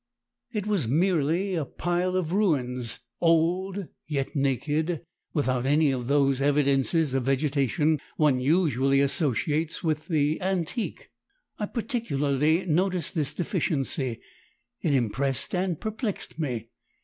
It was merely a pile of ruins, old, yet naked, without any of those evidences of vegetation one usually associates with the antique. I particularly noticed this deficiency; it impressed and perplexed me.